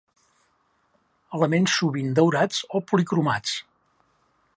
Elements sovint daurats o policromats.